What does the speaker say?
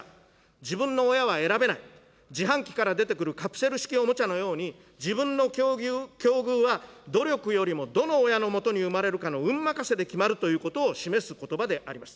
自分の親は選べない、自販機から出てくるカプセル式おもちゃのように、自分の境遇は努力よりもどの親のもとに生まれるかの運任せで決まるということを示すことばであります。